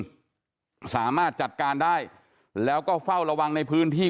สามารถจัดการได้แล้วก็เฝ้าระวังในพื้นที่